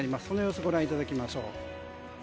その様子をご覧いただきます。